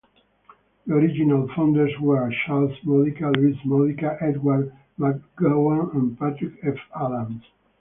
The original founders were Charles Modica, Louis Modica, Edward McGowan, and Patrick F. Adams.